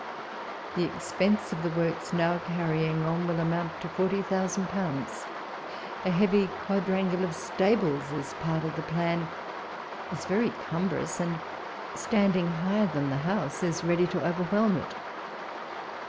The expense of the works now carrying on will amount to forty thousand pounds. A heavy quadrangle of stables is part of the plan, is very cumbrous, and standing higher than the house, is ready to overwhelm it.